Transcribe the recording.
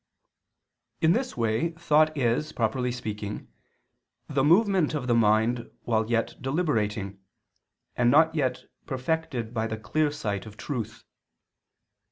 In this way thought is, properly speaking, the movement of the mind while yet deliberating, and not yet perfected by the clear sight of truth.